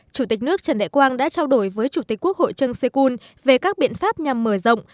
chủ tịch nước trần đại quang đã trao đổi với chủ tịch quốc hội trân xe cun về các biện pháp nhằm mở rộng